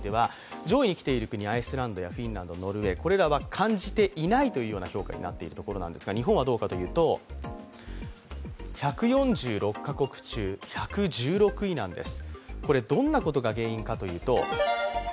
上位に来ている国、アイスランド、フィンランド、ノルウェー、これらは感じていないという評価になっているんですが、日本は１４６か国中１１６位なんです。